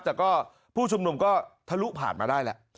แต่ก็ผู้ชุมนุมก็ทะลุผ่านมาได้แหละ